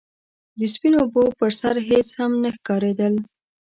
د سپينو اوبو پر سر هيڅ هم نه ښکارېدل.